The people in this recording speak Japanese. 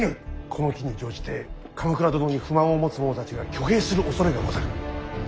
この機に乗じて鎌倉殿に不満を持つ者たちが挙兵するおそれがござる。